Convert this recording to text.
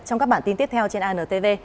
trong các bản tin tiếp theo trên antv